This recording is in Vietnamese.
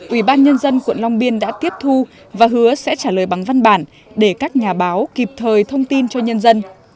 ủy ban nhân dân quận long biên đã tiếp thu và hứa sẽ trả lời bằng văn bản để các nhà báo kịp thời thông tin cho nhân dân